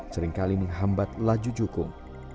seringkali menghambat laju jukung